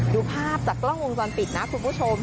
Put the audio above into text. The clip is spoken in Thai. ดูภาพจากกล้องวงจรปิดนะคุณผู้ชม